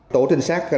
tổ trinh sát